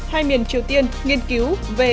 hai miền triều tiên nghiên cứu về các vụ xả súng